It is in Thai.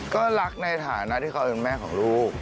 ก็รักในฐานะที่เขาเป็นแม่ของลูก